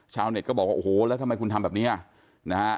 เน็ตก็บอกว่าโอ้โหแล้วทำไมคุณทำแบบนี้นะฮะ